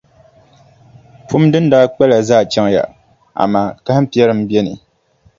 Pum din daa kpala zaa chaŋya, amaa kahimpiɛri m-be ni.